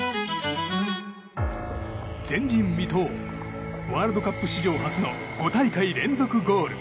前人未到ワールドカップ史上初の５大会連続ゴール。